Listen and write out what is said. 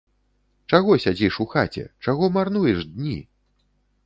Чаго сядзіш у хаце, чаго марнуеш дні?